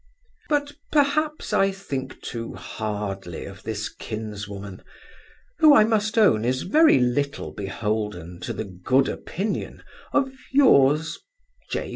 But, perhaps, I think too hardly of this kinswoman; who, I must own, is very little beholden to the good opinion of Yours, J.